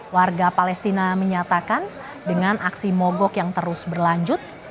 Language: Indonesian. warga palestina menyatakan dengan aksi mogok yang terus berlanjut